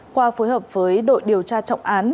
qua phối hợp với đội điều tra trọng án